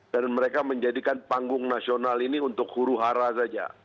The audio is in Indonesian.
dan mereka menjadikan panggung nasional ini untuk huru hara saja